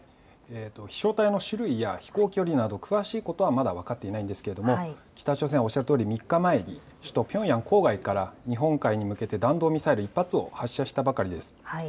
飛しょう体の種類や飛行距離など詳しいことは分かっていないんですが北朝鮮は３日前に首都ピョンヤン郊外から日本海に向けて弾道ミサイル１発を発射したばかりです。